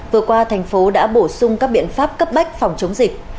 vừa qua thành phố đã bổ sung các biện pháp cấp bách phòng chống dịch